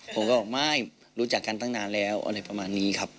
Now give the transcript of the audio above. ผมก็บอกไม่รู้จักกันตั้งนานแล้วอะไรประมาณนี้ครับ